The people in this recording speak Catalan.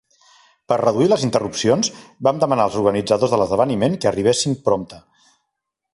Per reduir les interrupcions, vam demanar als organitzadors de l'esdeveniment que arribessin prompte.